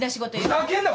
ふざけんな！